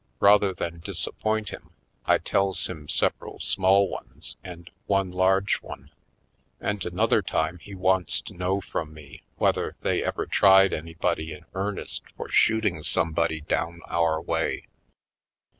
Rather than disappoint him, I tells him several small ones and one large one. And another time he wants to know from me whether they ever tried anybody in earnest for shooting somebody down our 196 /. PoindexteVj Colored way.